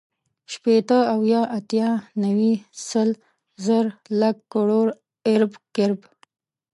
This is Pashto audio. شپېته، اويا، اتيا، نيوي، سل، زر، لک، کروړ، ارب، کرب